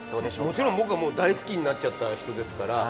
もちろん僕はもう大好きになっちゃった人ですから。